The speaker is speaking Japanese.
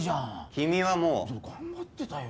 君はもう頑張ってたよ